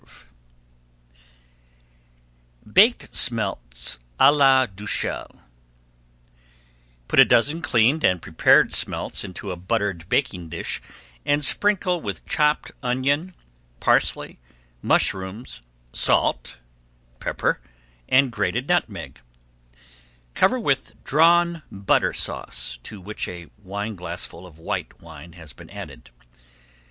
[Page 370] BAKED SMELTS À LA DUXELLES Put a dozen cleaned and prepared smelts into a buttered baking dish and sprinkle with chopped onion, parsley, mushrooms, salt, pepper, and grated nutmeg, cover with Drawn Butter Sauce to which a wineglassful of white wine has been added.